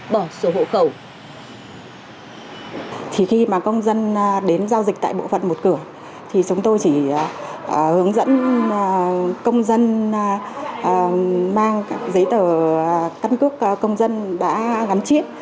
bởi sự hỗ cầu